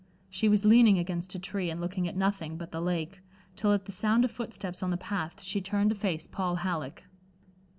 She was leaning against a tree, and looking at nothing but the lake, till at the sound of foot steps on the path, she turned to face Paul Halleck.